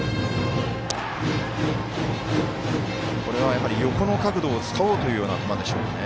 やはり横の角度を使おうというような球でしょうか。